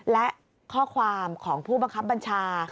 และข้อความของผู้บังคับบัญชา